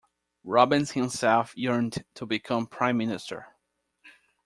Robens himself "yearned to become Prime Minister".